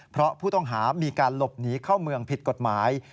เพราะผู้ต้องหามีการหลบหนีเข้าเมืองผิดกฎหมาย